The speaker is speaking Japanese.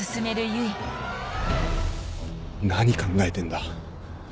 何考えてんだ。